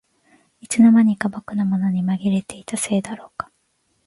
いつの間にか僕のものにまぎれていたせいだろうか